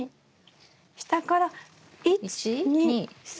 下から１２３。